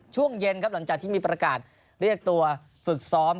ช่วงเย็นครับหลังจากที่มีประกาศเรียกตัวฝึกซ้อม